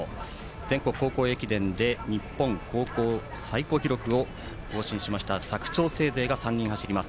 全国高校駅伝で日本高校最高記録を更新しました佐久長聖勢が３人走ります。